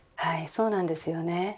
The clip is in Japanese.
そうなんですよね。